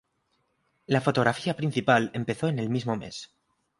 La fotografía principal empezó en el mismo mes.